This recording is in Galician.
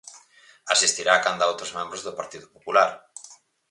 Asistirá canda outros membros do Partido Popular.